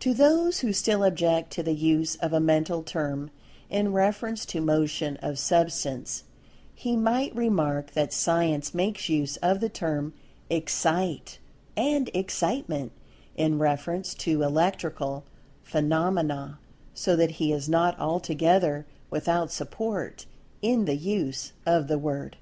To those who still object to the use of a mental term in reference to motion of Substance, he might remark that Science makes use of the term—"Excite," and "Excitement"—in reference to Electrical phenomena, so that he is not altogether without support in the use of the word.